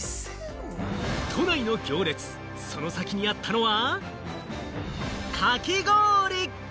都内の行列、その先にあったのは。